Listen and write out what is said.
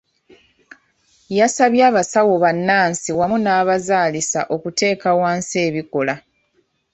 Yasabye abasawo bannansi wamu n'abazaalisa okuteeka wansi ebikola.